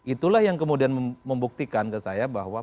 itulah yang kemudian membuktikan ke saya bahwa